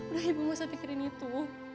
udah ibu saya pikirin itu